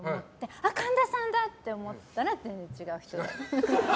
あ、神田さんだ！と思ったら全然違う人だった。